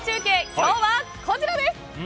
今日はこちらです！